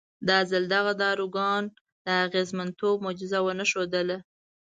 دا ځل دغه داروګان د اغېزمنتوب معجزه ونه ښودله.